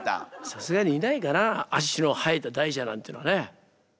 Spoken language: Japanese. さすがにいないかな足の生えた大蛇なんていうのはね。